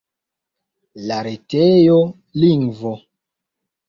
La retejo lingvo.